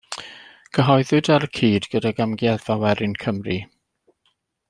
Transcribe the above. Cyhoeddwyd ar y cyd gydag Amgueddfa Werin Cymru.